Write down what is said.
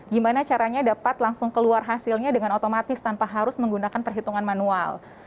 gimana caranya dapat langsung keluar hasilnya dengan otomatis tanpa harus menggunakan perhitungan manual